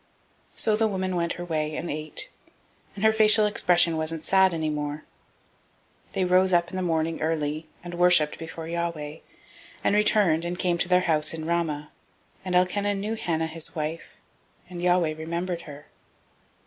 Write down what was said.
So the woman went her way, and ate; and her facial expression wasn't sad any more. 001:019 They rose up in the morning early, and worshiped before Yahweh, and returned, and came to their house to Ramah: and Elkanah knew Hannah his wife; and Yahweh remembered her.